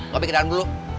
lo ambil ke dalam dulu